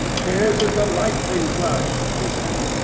"His is the lightning flash," we sang.